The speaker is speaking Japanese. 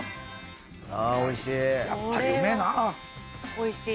おいしい。